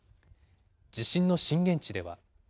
地震の震源地では。